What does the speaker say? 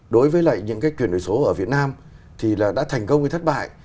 đối với những chuyển đổi số ở việt nam thì đã thành công hay thất bại